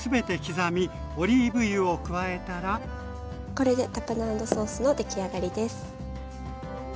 これでタプナードソースのできあがりです。